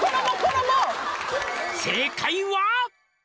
「正解は？」